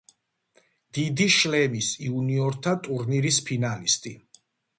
დიდი შლემის იუნიორთა ტურნირის ფინალისტი.